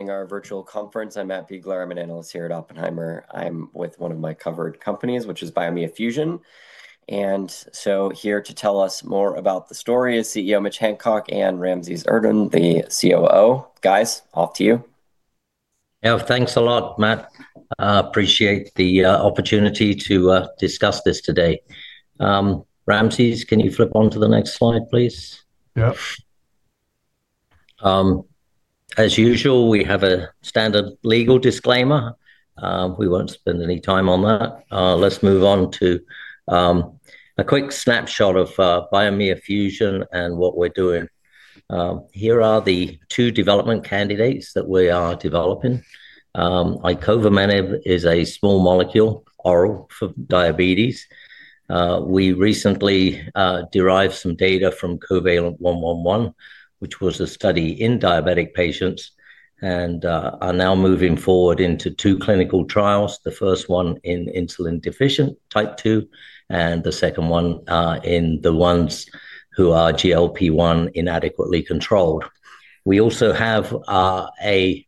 Our virtual conference. I'm Matt Biegler. I'm an analyst here at Oppenheimer. I'm with one of my covered companies, which is Biomea Fusion. Here to tell us more about the story is CEO Mick Hitchcock and Ramses Erdtmann, the COO. Guys, off to you. Yeah, thanks a lot, Matt. Appreciate the opportunity to discuss this today. Ramses, can you flip on to the next slide, please? Yep. As usual, we have a standard legal disclaimer. We won't spend any time on that. Let's move on to a quick snapshot of Biomea Fusion and what we're doing. Here are the two development candidates that we are developing. Icovamenib is a small molecule, oral for diabetes. We recently derived some data from COVALENT-111, which was a study in diabetic patients, and are now moving forward into two clinical trials. The first one in insulin-deficient type 2, and the second one in the ones who are GLP-1 inadequately controlled. We also have a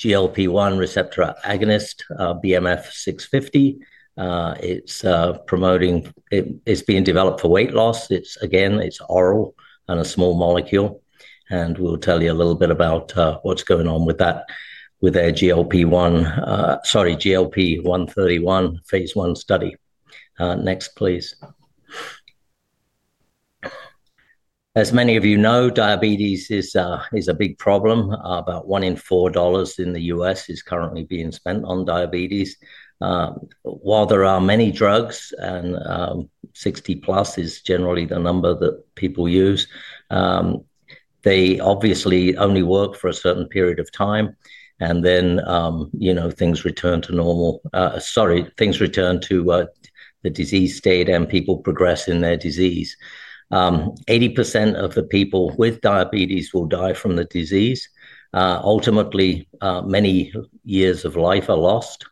GLP-1 receptor agonist, BMF-650. It's being developed for weight loss. It's, again, it's oral and a small molecule, and we'll tell you a little bit about what's going on with that, with our GLP-1. sorry, GLP-131 Phase I study. Next, please. As many of you know, diabetes is a big problem. About 1 in 4 dollars in the U.S. is currently being spent on diabetes. While there are many drugs, and 60+ is generally the number that people use, they obviously only work for a certain period of time, and then, you know, things return to the disease state, and people progress in their disease. 80% of the people with diabetes will die from the disease. Ultimately, many years of life are lost,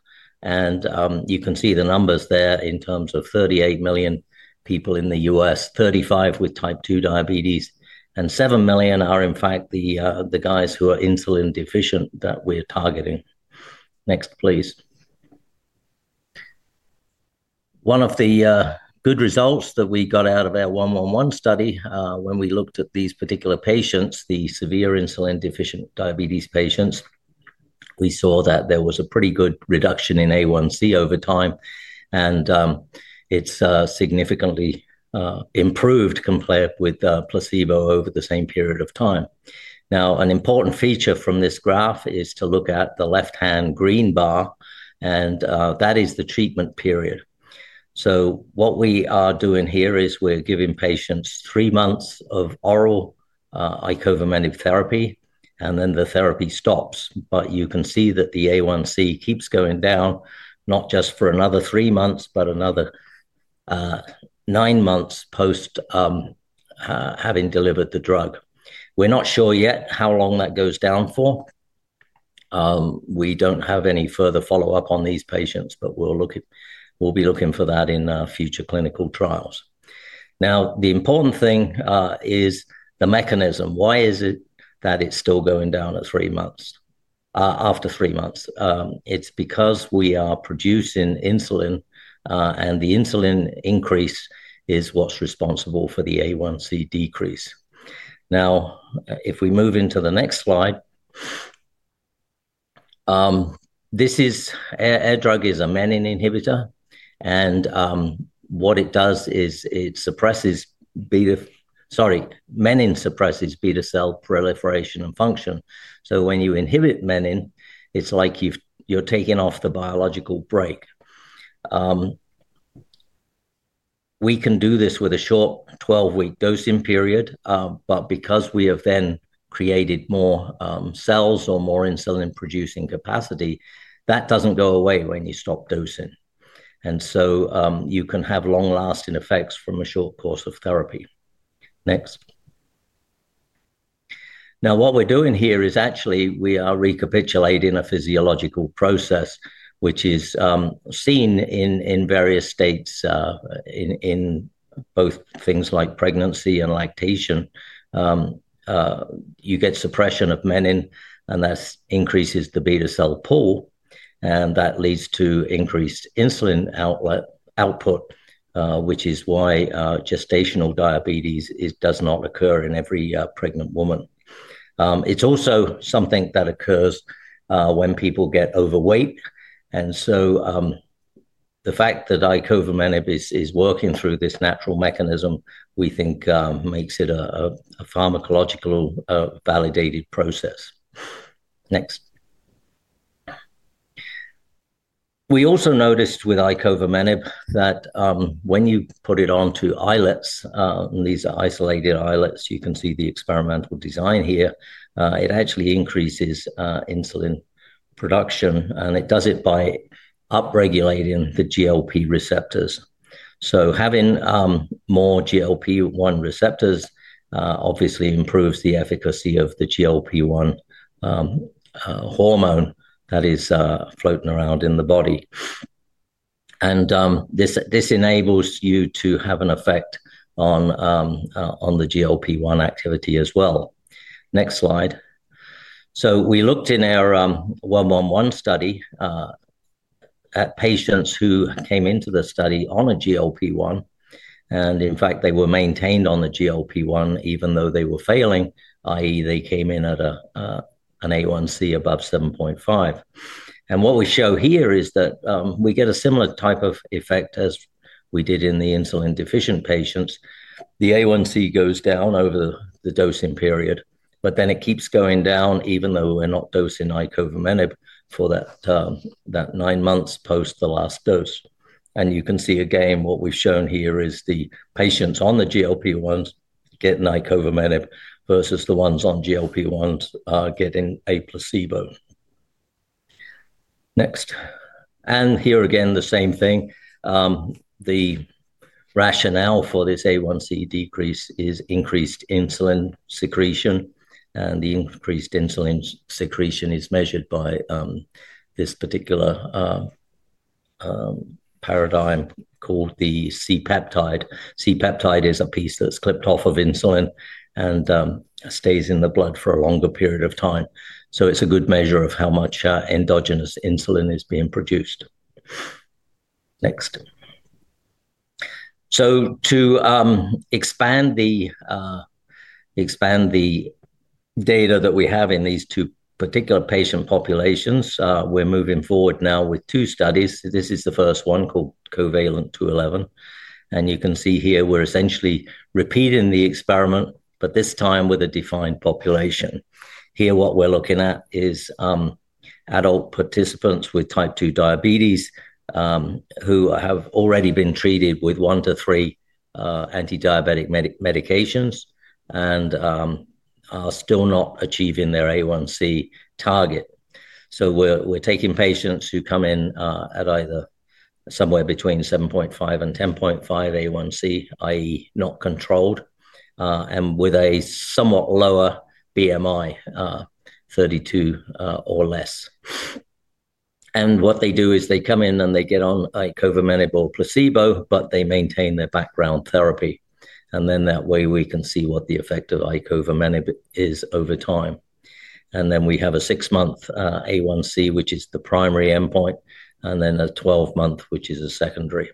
and you can see the numbers there in terms of 38 million people in the U.S., 35 with type 2 diabetes, and 7 million are, in fact, the guys who are insulin-deficient that we're targeting. Next, please. One of the good results that we got out of our one-on-one study, when we looked at these particular patients, the severe insulin-deficient diabetes patients, we saw that there was a pretty good reduction in A1C over time, and it's significantly improved compared with placebo over the same period of time. An important feature from this graph is to look at the left-hand green bar, and that is the treatment period. What we are doing here is we're giving patients three months of oral Icovamenib therapy, and then the therapy stops. You can see that the A1C keeps going down, not just for another three months, but another nine months post having delivered the drug. We're not sure yet how long that goes down for. We don't have any further follow-up on these patients, we'll be looking for that in future clinical trials. The important thing is the mechanism. Why is it that it's still going down at three months, after three months? It's because we are producing insulin, the insulin increase is what's responsible for the A1C decrease. If we move into the next slide, our drug is a menin inhibitor, what it does is menin suppresses beta cell proliferation and function. When you inhibit menin, it's like you're taking off the biological break. We can do this with a short 12-week dosing period, because we have then created more cells or more insulin-producing capacity, that doesn't go away when you stop dosing. You can have long-lasting effects from a short course of therapy. Next. What we're doing here is actually we are recapitulating a physiological process, which is seen in various states, in both things like pregnancy and lactation. You get suppression of menin, and that increases the beta cell pool, and that leads to increased insulin outlet output, which is why gestational diabetes does not occur in every pregnant woman. It's also something that occurs when people get overweight, the fact that Icovamenib is working through this natural mechanism, we think, makes it a pharmacological validated process. Next. We also noticed with Icovamenib that when you put it onto islets, and these are isolated islets, you can see the experimental design here, it actually increases insulin production, and it does it by upregulating the GLP receptors. Having more GLP-1 receptors obviously improves the efficacy of the GLP-1 hormone that is floating around in the body. This enables you to have an effect on the GLP-1 activity as well. Next slide. We looked in our 111 study at patients who came into the study on a GLP-1, and in fact, they were maintained on the GLP-1, even though they were failing, i.e., they came in at an A1C above 7.5. What we show here is that we get a similar type of effect as we did in the insulin deficient patients. The A1C goes down over the dosing period, but then it keeps going down, even though we're not dosing Icovamenib for that nine months post the last dose. You can see again, what we've shown here is the patients on the GLP-1s getting Icovamenib versus the ones on GLP-1s are getting a placebo. Next. Here again, the same thing. The rationale for this A1C decrease is increased insulin secretion, and the increased insulin secretion is measured by this particular paradigm called the C-peptide. C-peptide is a piece that's clipped off of insulin and stays in the blood for a longer period of time. It's a good measure of how much endogenous insulin is being produced. Next. To expand the data that we have in these two particular patient populations, we're moving forward now with two studies. This is the first one called COVALENT-211. You can see here we're essentially repeating the experiment, but this time with a defined population. Here, what we're looking at is adult participants with type 2 diabetes who have already been treated with 1-3 anti-diabetic medications and are still not achieving their A1C target. We're taking patients who come in at either somewhere between 7.5 and 10.5 A1C, i.e., not controlled, and with a somewhat lower BMI, 32 or less. What they do is they come in, and they get on Icovamenib or placebo, but they maintain their background therapy, then that way we can see what the effect of Icovamenib is over time. We have a six month A1C, which is the primary endpoint, and a 12-month, which is a secondary.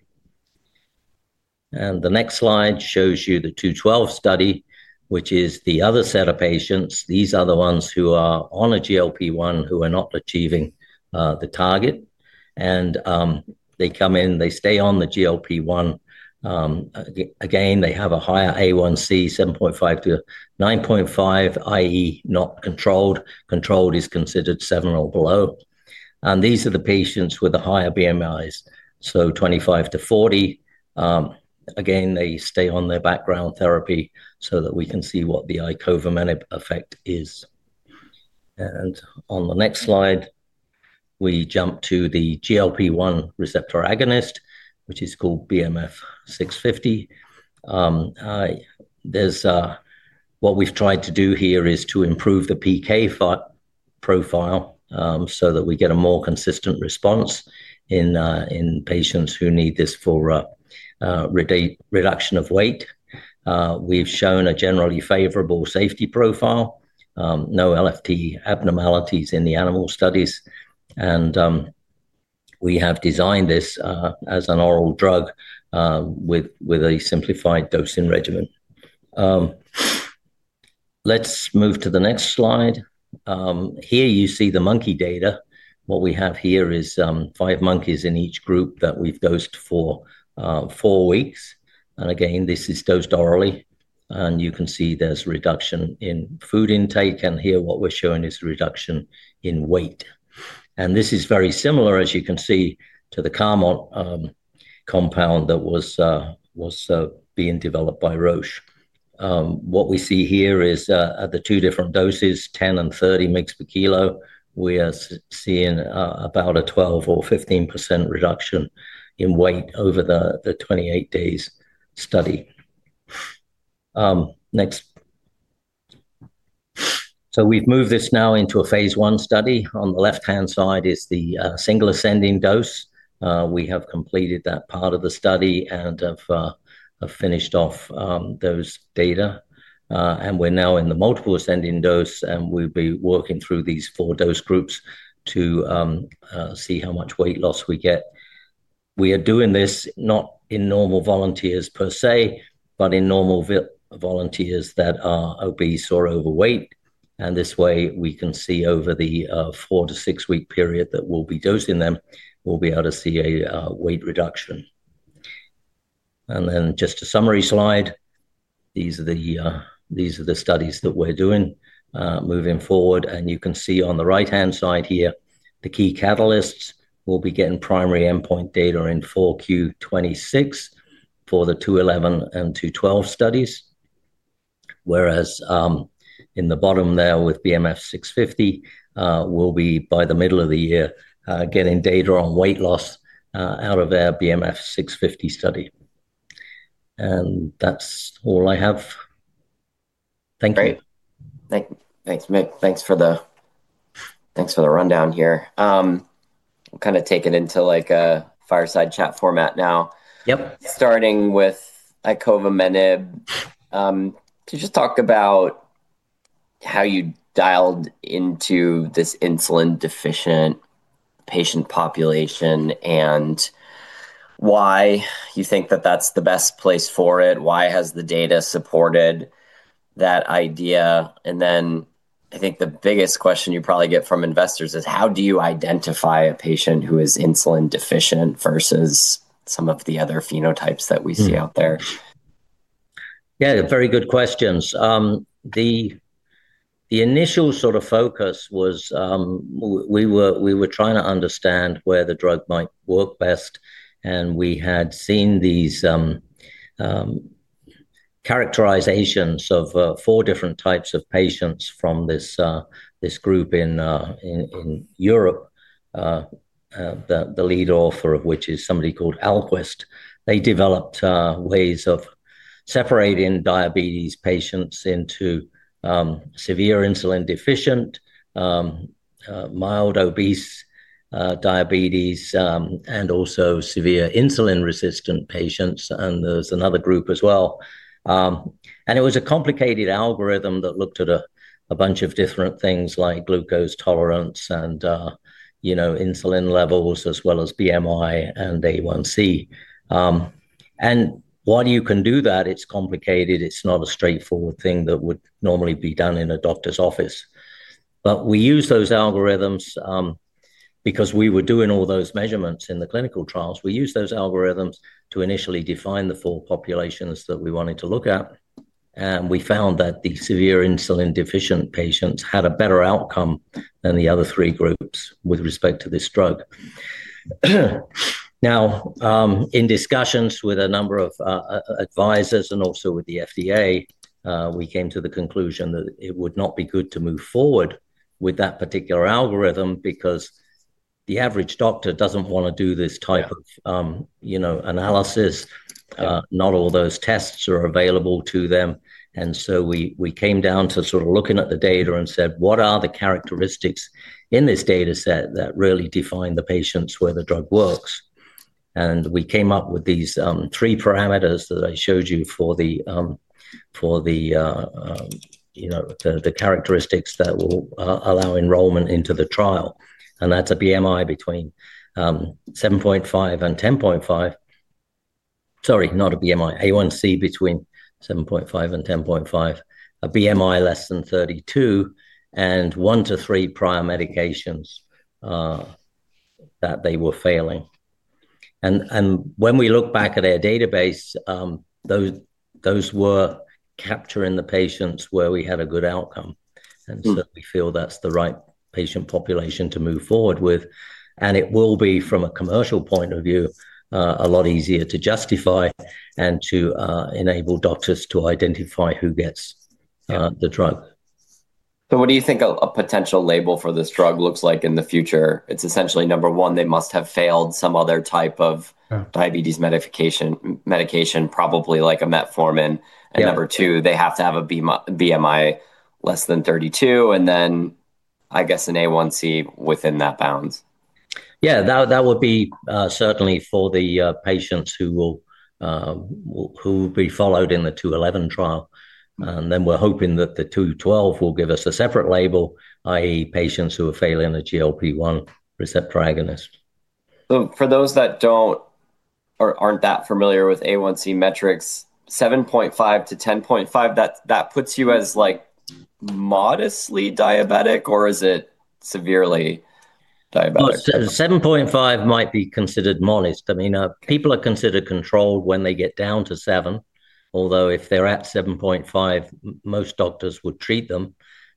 The next slide shows you the 212 study, which is the other set of patients. These are the ones who are on a GLP-1, who are not achieving the target, and they come in, they stay on the GLP-1. Again, they have a higher A1C, 7.5-9.5, i.e., not controlled. Controlled is considered seven or below. These are the patients with the higher BMIs, 25 to 40. Again, they stay on their background therapy so that we can see what the Icovamenib effect is. On the next slide, we jump to the GLP-1 receptor agonist, which is called BMF-650. There's what we've tried to do here is to improve the PK profile so that we get a more consistent response in patients who need this for a reduction of weight. We've shown a generally favorable safety profile, no LFT abnormalities in the animal studies, and we have designed this as an oral drug with a simplified dosing regimen. Let's move to the next slide. Here you see the monkey data. What we have here is five monkeys in each group that we've dosed for four weeks. This is dosed orally, and you can see there's a reduction in food intake. What we're showing is a reduction in weight. This is very similar, as you can see, to the Carmot compound that was being developed by Roche. What we see here is at the two different doses, 10 and 30 mgs per kilo, we are seeing about a 12% or 15% reduction in weight over the 28 days study. Next. We've moved this now into a Phase I study. On the left-hand side is the single ascending dose. We have completed that part of the study and have finished off those data. We're now in the multiple ascending dose, and we'll be working through these four dose groups to see how much weight loss we get. We are doing this not in normal volunteers per se, but in normal volunteers that are obese or overweight, and this way, we can see over the four to six week period that we'll be dosing them, we'll be able to see a weight reduction. Just a summary slide. These are the studies that we're doing moving forward, and you can see on the right-hand side here, the key catalysts will be getting primary endpoint data in 4Q 2026 for the 211 and 212 studies. Whereas, in the bottom there with BMF-650, we'll be, by the middle of the year, getting data on weight loss out of our BMF-650 study. That's all I have. Great. Thank, thanks, Mick. Thanks for the, thanks for the rundown here. I'll kind of take it into, like, a fireside chat format now. Yep. Starting with Icovamenib, could you just talk about how you dialed into this insulin-deficient patient population, and why you think that that's the best place for it? Why has the data supported that idea? Then I think the biggest question you probably get from investors is: how do you identify a patient who is insulin deficient versus some of the other phenotypes that we see Mm out there? Yeah, very good questions. The initial sort of focus was we were trying to understand where the drug might work best, and we had seen these characterizations of four different types of patients from this group in Europe, the lead author of which is somebody called Ahlquist. They developed ways of separating diabetes patients into severe insulin-deficient, mild obese diabetes, and also severe insulin-resistant patients, and there's another group as well. It was a complicated algorithm that looked at a bunch of different things like glucose tolerance and, you know, insulin levels, as well as BMI and A1C. While you can do that, it's complicated, it's not a straightforward thing that would normally be done in a doctor's office. We used those algorithms, because we were doing all those measurements in the clinical trials. We used those algorithms to initially define the four populations that we wanted to look at, and we found that the severe insulin-deficient patients had a better outcome than the other three groups with respect to this drug. Now, in discussions with a number of advisors and also with the FDA, we came to the conclusion that it would not be good to move forward with that particular algorithm, because the average doctor doesn't want to do this type of Yeah you know, analysis. Yeah. Not all those tests are available to them. We came down to sort of looking at the data and said, "What are the characteristics in this data set that really define the patients where the drug works?" We came up with these three parameters that I showed you for the, for the, you know, the characteristics that will allow enrollment into the trial, and that's a BMI between 7.5 and 10.5. Sorry, not a BMI, A1C between 7.5 and 10.5, a BMI less than 32, and 1-3 prior medications that they were failing. When we look back at our database, those were capturing the patients where we had a good outcome... Mm We feel that's the right patient population to move forward with, and it will be, from a commercial point of view, a lot easier to justify and to enable doctors to identify who gets Yeah the drug. What do you think a potential label for this drug looks like in the future? It's essentially, number one, they must have failed some other type of Yeah diabetes medication, probably like a metformin. Yeah. Number two, they have to have a BMI less than 32, I guess an A1C within that bounds. Yeah, that would be certainly for the patients who will be followed in the 211 trial. Mm. We're hoping that the 212 will give us a separate label, i.e., patients who are failing a GLP-1 receptor agonist. For those that don't or aren't that familiar with A1C metrics, 7.5 to 10.5, that puts you as, like, modestly diabetic, or is it severely diabetic? 7.5 might be considered modest. I mean, people are considered controlled when they get down to seven, although if they're at 7.5, most doctors would treat them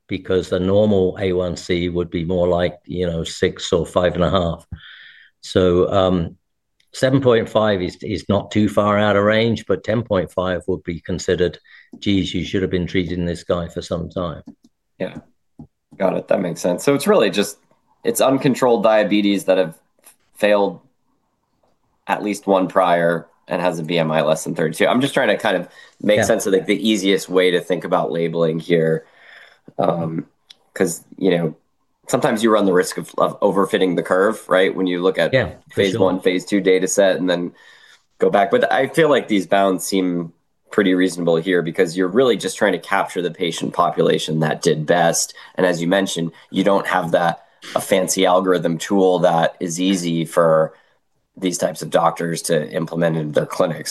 because a normal A1C would be more like, you know, 6 or 5.5. 7.5 is not too far out of range, but 10.5 would be considered, "Geez, you should have been treating this guy for some time. Yeah. Got it. That makes sense. It's really uncontrolled diabetes that have failed at least one prior and has a BMI less than 32. I'm just trying to Yeah make sense of, like, the easiest way to think about labeling here. 'Cause, you know, sometimes you run the risk of over fitting the curve, right? When you look at Yeah, for sure. Phase I, Phase II data set, and then go back. I feel like these bounds seem pretty reasonable here, because you're really just trying to capture the patient population that did best, and as you mentioned, you don't have that, a fancy algorithm tool that is easy for these types of doctors to implement in their clinic.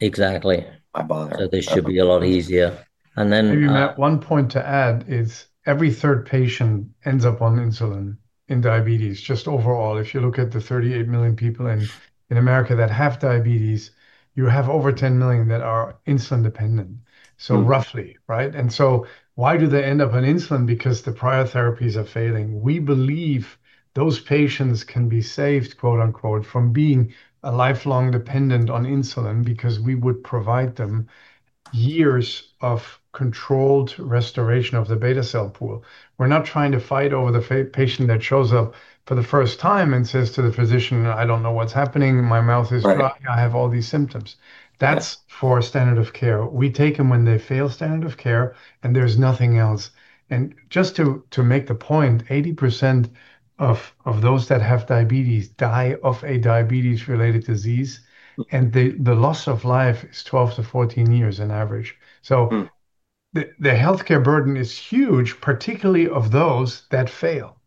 Exactly I bother. This should be a lot easier. Maybe Matt, one point to add is every third patient ends up on insulin in diabetes, just overall. If you look at the 38 million people in America that have diabetes, you have over 10 million that are insulin-dependent Mm so roughly, right? Why do they end up on insulin? Because the prior therapies are failing. We believe those patients can be "saved," quote, unquote, from being a lifelong dependent on insulin, because we would provide them years of controlled restoration of the beta cell pool. We're not trying to fight over the patient that shows up for the first time and says to the physician, "I don't know what's happening. My mouth is dry. Right. I have all these symptoms. Yes. That's for standard of care. We take them when they fail standard of care, and there's nothing else. Just to make the point, 80% of those that have diabetes die of a diabetes-related disease, and the loss of life is 12 to 14 years on average. Mm. The healthcare burden is huge, particularly of those that fail.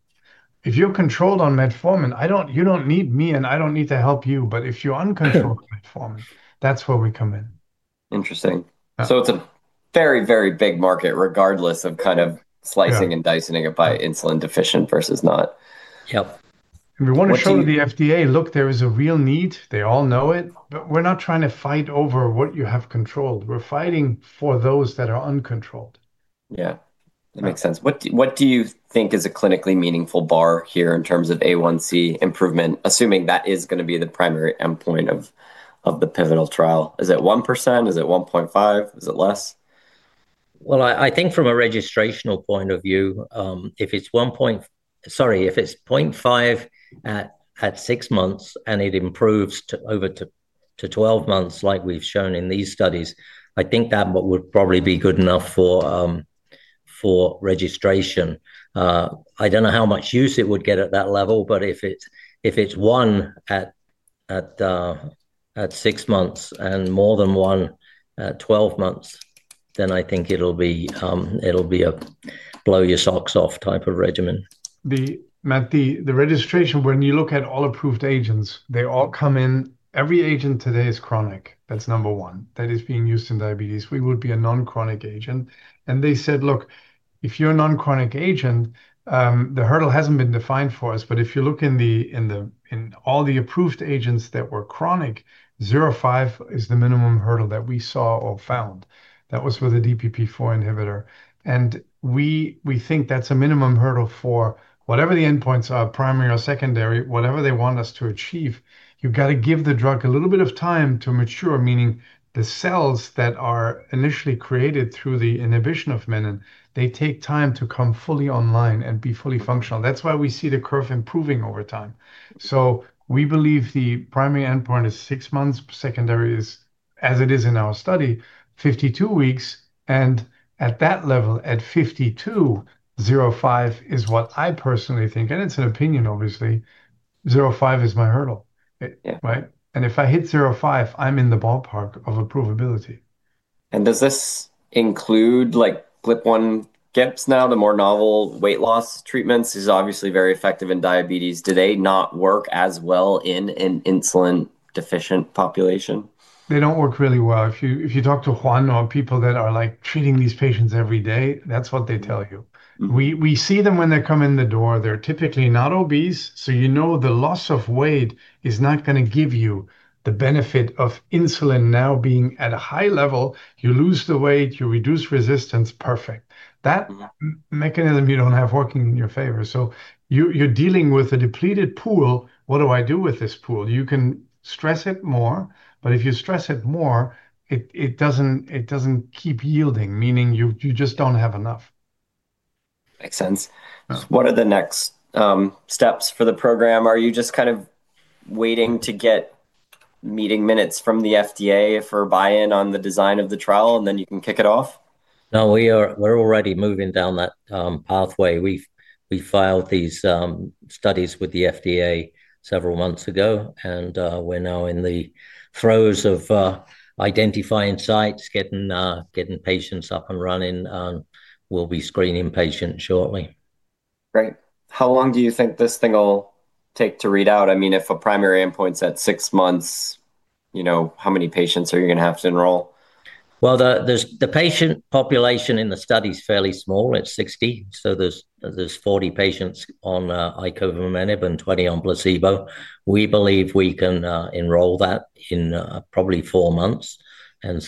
If you're controlled on metformin, you don't need me, and I don't need to help you. If you're uncontrolled on metformin, that's where we come in. Interesting. Yeah. It's a very, very big market, regardless of kind of slicing. Yeah Dicing it by insulin deficient versus not. Yep. What do. We want to show the FDA, look, there is a real need. They all know it, but we're not trying to fight over what you have controlled. We're fighting for those that are uncontrolled. Yeah. Right. That makes sense. What do you think is a clinically meaningful bar here in terms of A1C improvement, assuming that is going to be the primary endpoint of the pivotal trial? Is it 1%? Is it 1.5? Is it less? I think from a registrational point of view, if it's 0.5 at 6 months, and it improves to over to 12 months, like we've shown in these studies, I think that what would probably be good enough for registration. I don't know how much use it would get at that level, but if it's one at six months and more than one at 12 months, then I think it'll be a blow your socks off type of regimen. Matt, the registration, when you look at all approved agents, they all come in. Every agent today is chronic. That's number one. That is being used in diabetes. We would be a non-chronic agent, and they said, "Look, if you're a non-chronic agent, the hurdle hasn't been defined for us." If you look in all the approved agents that were chronic, 0.5 is the minimum hurdle that we saw or found. That was for the DPP-4 inhibitor. We think that's a minimum hurdle for whatever the endpoints are, primary or secondary, whatever they want us to achieve. You've got to give the drug a little bit of time to mature, meaning the cells that are initially created through the inhibition of menin, they take time to come fully online and be fully functional. That's why we see the curve improving over time. We believe the primary endpoint is six months, secondary is, as it is in our study, 52 weeks, and at that level, at 52, 0.5 is what I personally think, and it's an opinion, obviously, 0.5 is my hurdle. Yeah. Right? If I hit 0.05, I'm in the ballpark of approvability. Does this include, like, GLP-1/GIPs now, the more novel weight loss treatments? These are obviously very effective in diabetes. Do they not work as well in an insulin-deficient population? They don't work really well. If you talk to Juan or people that are, like, treating these patients every day, that's what they tell you. Mm. We see them when they come in the door. They're typically not obese, you know the loss of weight is not going to give you the benefit of insulin now being at a high level. You lose the weight, you reduce resistance, perfect. Yeah. That mechanism you don't have working in your favor, so you're dealing with a depleted pool. What do I do with this pool? You can stress it more, but if you stress it more, it doesn't keep yielding, meaning you just don't have enough. Makes sense. Yeah. What are the next steps for the program? Are you just kind of waiting to get meeting minutes from the FDA for buy-in on the design of the trial, and then you can kick it off? No, we're already moving down that pathway. We've, we filed these studies with the FDA several months ago, and we're now in the throes of identifying sites, getting patients up and running. We'll be screening patients shortly. Great. How long do you think this thing will take to read out? I mean, if a primary endpoint is at six months, you know, how many patients are you going to have to enroll? Well, the patient population in the study is fairly small. It's 60. There's 40 patients on Icovamenib and 20 on placebo. We believe we can enroll that in probably 4 months,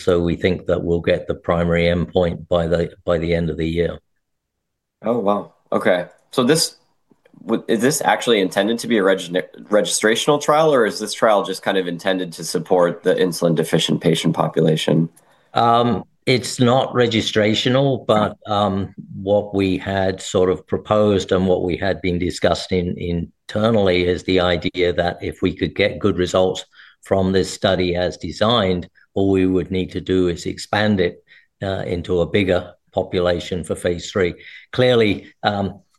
we think that we'll get the primary endpoint by the end of the year. Oh, wow! Okay. Is this actually intended to be a registrational trial, or is this trial just kind of intended to support the insulin-deficient patient population? It's not registrational, but what we had sort of proposed and what we had been discussing internally is the idea that if we could get good results from this study as designed, all we would need to do is expand it into a bigger population for phase III. Clearly,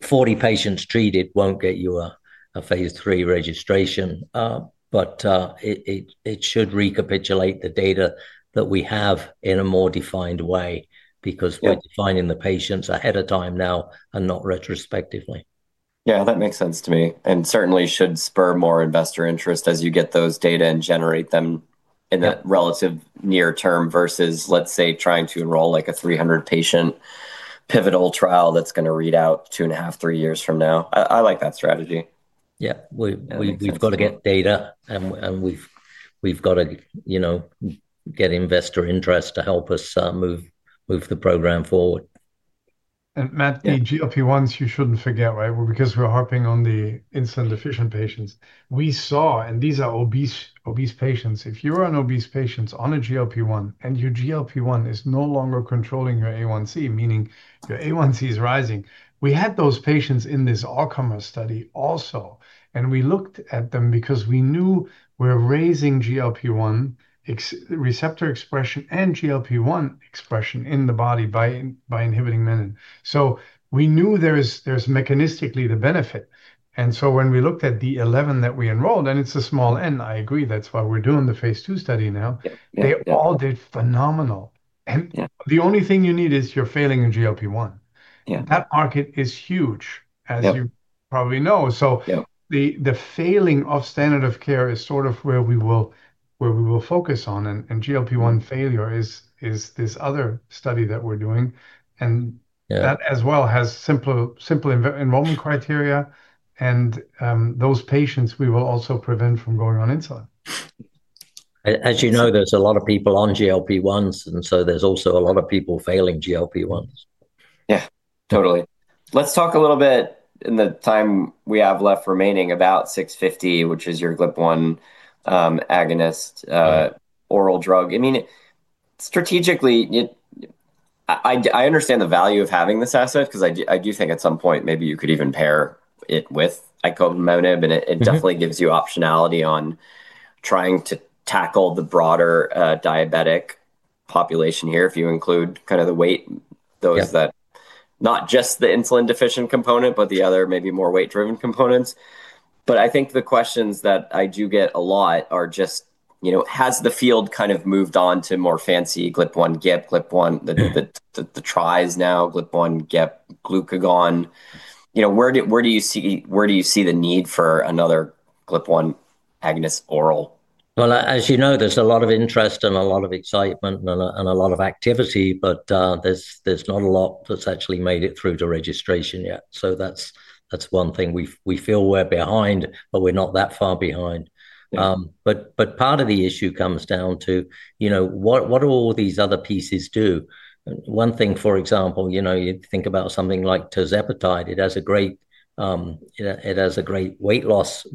40 patients treated won't get you a phase III registration, but it should recapitulate the data that we have in a more defined way. Yeah We're defining the patients ahead of time now and not retrospectively. Yeah, that makes sense to me, certainly should spur more investor interest as you get those data and generate them. Yeah in the relative near term versus, let's say, trying to enroll, like, a 300 patient pivotal trial that's going to read out 2.5, three years from now. I like that strategy. Yeah. Yeah, makes sense. We've got to get data, and we've got to, you know, get investor interest to help us move the program forward. Matt, the GLP-1s, you shouldn't forget, right? Well, because we're harping on the insulin-deficient patients. We saw, and these are obese patients, if you're an obese patient on a GLP-1, and your GLP-1 is no longer controlling your A1C, meaning your A1C is rising, we had those patients in this Arkoma study also, and we looked at them because we knew we're raising GLP-1 receptor expression and GLP-1 expression in the body by inhibiting menin. We knew there's mechanistically the benefit, and so when we looked at the 11 that we enrolled, and it's a small n, I agree, that's why we're doing the phase II study now. Yeah. Yeah. They all did phenomenal. Yeah. The only thing you need is you're failing in GLP-1. Yeah. That market is huge. Yeah as you probably know. Yeah. the failing of standard of care is sort of where we will focus on, and GLP-1 Mm failure is this other study that we're doing. Yeah that as well has simple enrollment criteria, and those patients, we will also prevent from going on insulin. As you know, there's a lot of people on GLP-1s, and so there's also a lot of people failing GLP-1s. Yeah, totally. Let's talk a little bit, in the time we have left remaining, about 650, which is your GLP-1 agonist, oral drug. I mean, strategically, I understand the value of having this asset, 'cause I do think at some point maybe you could even pair it with Icovamenib. Mm-hmm. It definitely gives you optionality on trying to tackle the broader diabetic population here, if you include kind of the weight Yeah those that, not just the insulin-deficient component, but the other maybe more weight-driven components. I think the questions that I do get a lot are just, you know, has the field kind of moved on to more fancy GLP-1, GIP? Mm-hmm The tri-agonists now, GLP-1, GIP, glucagon. You know, where do you see the need for another GLP-1 agonist oral? Well, as you know, there's a lot of interest and a lot of excitement and a lot of activity, but there's not a lot that's actually made it through to registration yet. That's one thing. We feel we're behind, but we're not that far behind. Yeah. Part of the issue comes down to, you know, what do all these other pieces do? One thing, for example, you know, you think about something like Tirzepatide. It has a great weight loss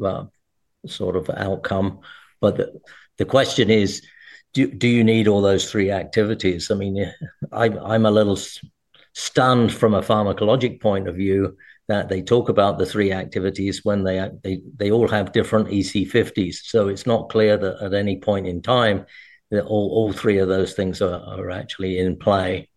sort of outcome. The question is, do you need all those three activities? I mean, I'm a little stunned from a pharmacologic point of view that they talk about the three activities when they all have different EC50s. It's not clear that at any point in time, that all three of those things are actually in play.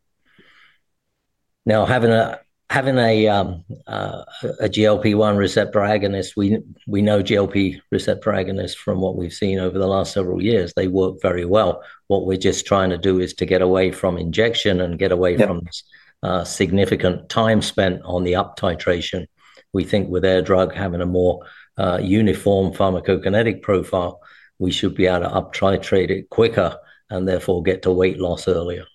Having a GLP-1 receptor agonist, we know GLP-1 receptor agonist from what we've seen over the last several years, they work very well. What we're just trying to do is to get away from injection and get away from Yeah significant time spent on the uptitration. We think with our drug having a more uniform pharmacokinetic profile, we should be able to uptitrate it quicker and therefore get to weight loss earlier.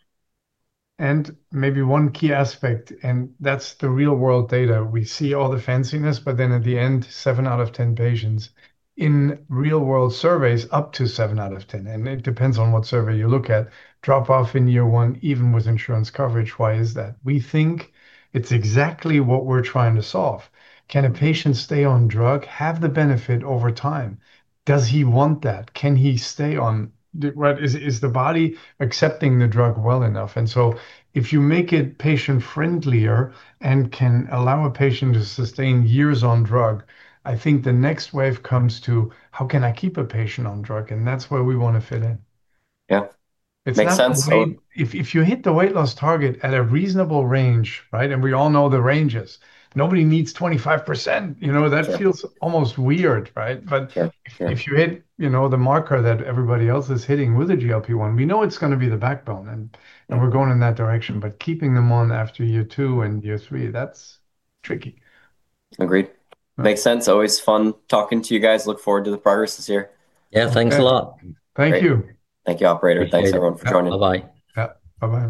Maybe one key aspect, and that's the real world data. We see all the fanciness, at the end, seven out of 10 patients in real world surveys, up to seven out of 10, and it depends on what survey you look at, drop off in year one, even with insurance coverage. Why is that? We think it's exactly what we're trying to solve. Can a patient stay on drug, have the benefit over time? Does he want that? Is the body accepting the drug well enough? If you make it patient-friendlier and can allow a patient to sustain years on drug, I think the next wave comes to: How can I keep a patient on drug? That's where we want to fit in. Yeah. Makes sense. If you hit the weight loss target at a reasonable range, right, and we all know the ranges, nobody needs 25%. You know Yeah that feels almost weird, right? Yeah. Yeah. If you hit, you know, the marker that everybody else is hitting with a GLP-1, we know it's gonna be the backbone Yeah and we're going in that direction, but keeping them on after year two and year three, that's tricky. Agreed. Right. Makes sense. Always fun talking to you guys. Look forward to the progresses here. Yeah, thanks a lot. Thank you. Great. Thank you, operator. Thank you. Thanks, everyone, for joining. Bye-bye. Yep. Bye-bye.